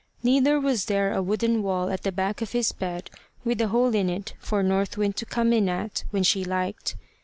Neither was there a wooden wall at the back of his bed with a hole in it for North Wind to come in at when she liked.